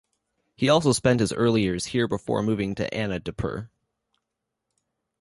He also spent his early years here before moving to Anandpur.